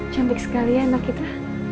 cantik sekali ya anak kita